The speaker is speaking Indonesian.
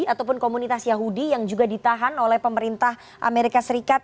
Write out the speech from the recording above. ataupun komunitas yahudi yang juga ditahan oleh pemerintah amerika serikat